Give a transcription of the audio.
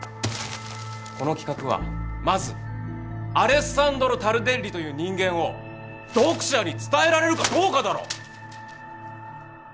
この企画はまずアレッサンドロ・タルデッリという人間を読者に伝えられるかどうかだろ！